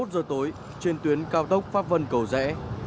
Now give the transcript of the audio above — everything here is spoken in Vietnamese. hai mươi giờ tối trên tuyến cao tốc pháp vân cầu rẽ